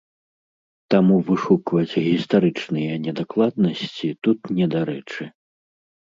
Таму вышукваць гістарычныя недакладнасці тут недарэчы.